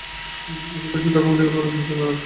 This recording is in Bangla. এই চিত্র শুধু ঢাকা মেডিকেল কলেজ হাসপাতালের নয়।